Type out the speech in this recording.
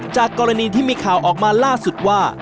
จากกรณีที่มีข่าวออกมาล่าสุดว่า